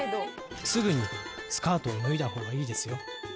「すぐにスカートを脱いだ方がいいですよ」